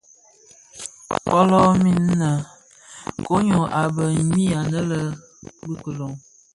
Fölö min, koň йyô a bë ňwi anë bi kilon.